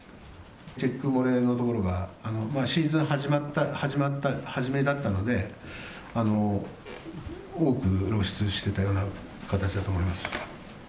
チェック漏れのところが、シーズン始まった、初めだったので、多く露出していたような形だと思います。